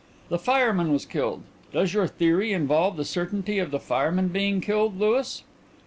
"The fireman was killed. Does your theory involve the certainty of the fireman being killed, Louis?"